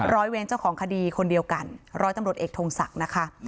ร้อยเวรเจ้าของคดีคนเดียวกันร้อยตำรวจเอกทงศักดิ์นะคะ